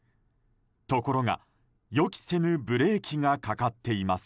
ところが、予期せぬブレーキがかかっています。